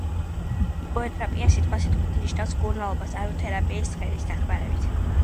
იპოთერაპია სიტყვასიტყვით ნიშნავს მკურნალობას ან თერაპიას ცხენის დახმარებით.